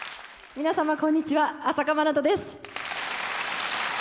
皆様こんにちは朝夏まなとです。